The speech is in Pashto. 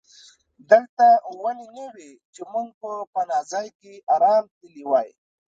دلته ونې نه وې چې موږ په پناه ځای کې آرام تللي وای.